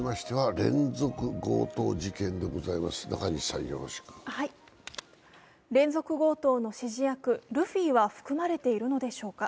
連続強盗事件の指示役・ルフィは含まれているのでしょうか。